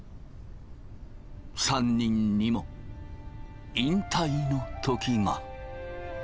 ３人にも引退の時が。